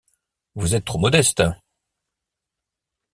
Vous êtes trop modeste.